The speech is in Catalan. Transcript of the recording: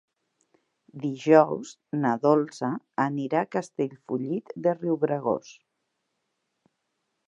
Dijous na Dolça anirà a Castellfollit de Riubregós.